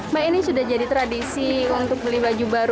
mbak ini sudah jadi tradisi untuk beli baju baru